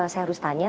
saya harus tanya